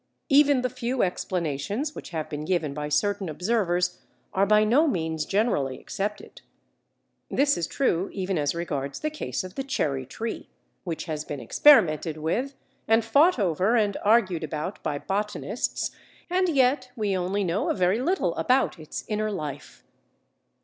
Even the few explanations which have been given by certain observers are by no means generally accepted. This is true even as regards the case of the Cherry tree, which has been experimented with, and fought over and argued about by botanists, and yet we only know a very little about its inner life.